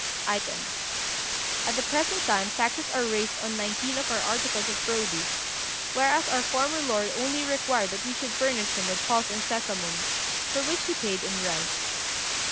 ] "Item. At the present time, taxes are raised on nineteen of our articles of produce; whereas our former lord only required that we should furnish him with pulse and sesamum, for which he paid in rice.